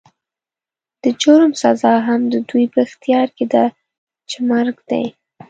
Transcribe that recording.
د جرم سزا هم د دوی په اختيار کې ده چې مرګ دی.